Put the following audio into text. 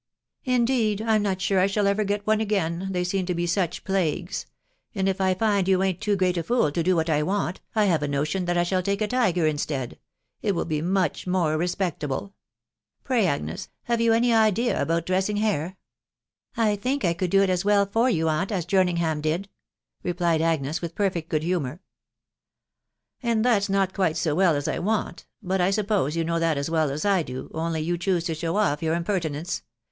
Indeed, I'm not sore I shall ever get one again, they seem to be such plagues ; and if I find you ain't too great a fool to do what I want, I have a notion that I shall take a tiger instead — it will be much more respectable. ..,. Pray, Agnes, have you any idea about dressing hair?" " I think I could do it as well for you, aunt, as Jerningham did," replied Agnes with perfect good humour. cc And that's not quite so well as I want ; but I suppose you know that as well as I do, only you choose to show off your impertinence.